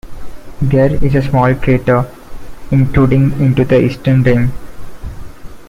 There is a small crater intruding into the eastern rim.